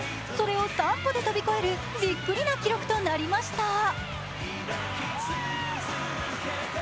それを３歩で飛び越えるびっくりな記録となりました。